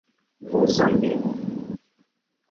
Muzambinho